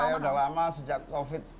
saya sudah lama sejak covid